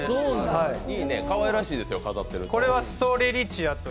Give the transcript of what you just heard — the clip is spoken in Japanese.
いいね、かわいらしいですよ飾っていると。